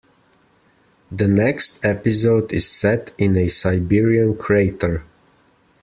The next episode is set in a Siberian crater.